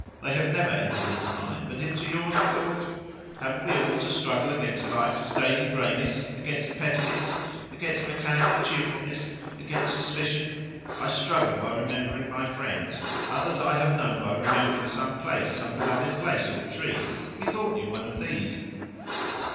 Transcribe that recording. They have never entered into mine, but into yours, we thought Haven't we all to struggle against life's daily greyness, against pettiness, against mechanical cheerfulness, against suspicion? I struggle by remembering my friends; others I have known by remembering some place some beloved place or tree we thought you one of these."